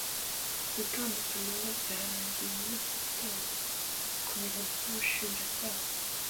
Gutandukana byarangiye muri iki gitondo ku biro by’ubushinjacyaha.